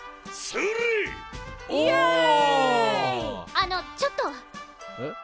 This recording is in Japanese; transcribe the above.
あのちょっと。え？